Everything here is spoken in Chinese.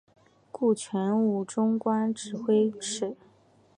顾全武终官指挥使。